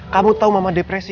kamu tau mama depresi